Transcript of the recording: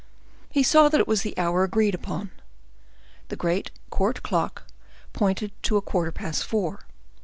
He saw that it was the hour agreed upon: the great court clock pointed to a quarter past four.